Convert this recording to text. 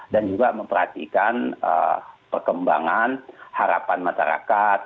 dan juga memperhatikan perkembangan harapan masyarakat